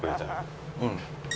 うん。